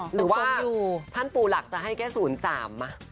หรือว่าท่านปู่หลักจะให้แค่๐๓มา